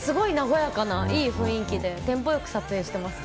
すごい和やかな、いい雰囲気でテンポよく撮影しています。